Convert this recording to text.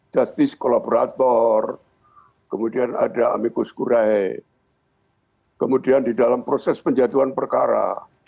justice kolaborator kemudian ada amikus kurai kemudian di dalam proses penjatuhan perkara